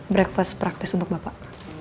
breakfast praktis untuk bapak